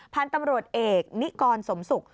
พันธุ์ตำรวจเอกนิกรสมศุกร์